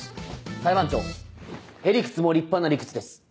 裁判長ヘリクツも立派な理屈です。